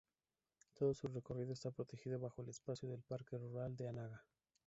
Todo su recorrido está protegido bajo el espacio del Parque Rural de Anaga.